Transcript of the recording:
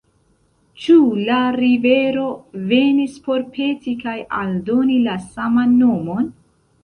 Ĉu la rivero venis por peti kaj aldoni la saman nomon?